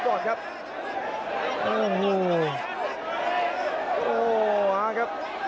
ส่วนหน้านั้นอยู่ที่เลด้านะครับ